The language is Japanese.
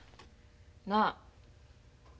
なあ。